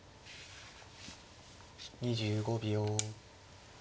２５秒。